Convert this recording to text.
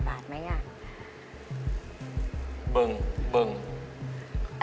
๑๐บาทประมาณไหมอ่ะ